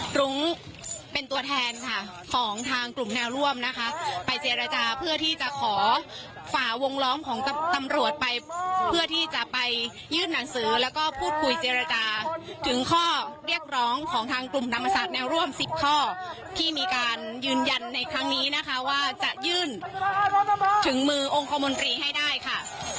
รุ้งเป็นตัวแทนค่ะของทางกลุ่มแนวร่วมนะคะไปเจรจาเพื่อที่จะขอฝ่าวงล้อมของตำรวจไปเพื่อที่จะไปยื่นหนังสือแล้วก็พูดคุยเจรจาถึงข้อเรียกร้องของทางกลุ่มธรรมศาสตร์แนวร่วมสิบข้อที่มีการยืนยันในครั้งนี้นะคะว่าจะยื่นถึงมือองค์คมนตรีให้ได้ค่ะ